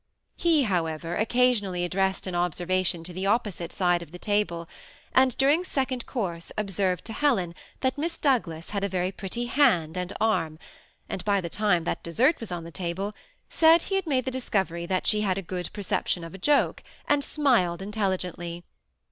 He, however, occasionally addressed an observation to the opposite side of the table, and, daring second course, observed to Helen that Miss Douglas had a very pretty hand and arm ; and by the time that des sert was on the table, said he had made the discovery that she had a good perception of a joke, and smiled intelligently.